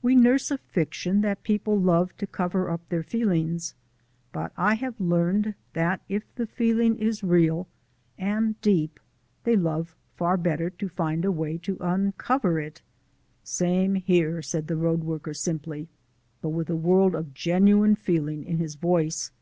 We nurse a fiction that people love to cover up their feelings; but I have learned that if the feeling is real and deep they love far better to find a way to uncover it. "Same here," said the road worker simply, but with a world of genuine feeling in his voice.